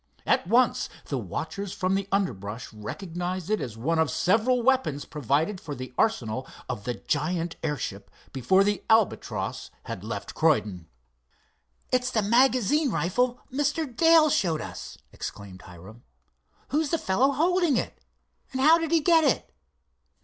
At once the watchers from the underbrush recognized it as one of several weapons provided for the arsenal of the giant airship before the Albatross had left Croydon. "It's the magazine rifle Mr. Dale showed us!" exclaimed Hiram. "Who's the fellow holding it, and how did he get it?"